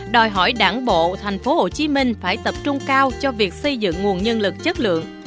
đòi hỏi đảng bộ thành phố hồ chí minh phải tập trung cao cho việc xây dựng nguồn nhân lực chất lượng